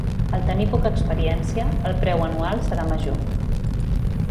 Al tenir poca experiència, el preu anual serà major.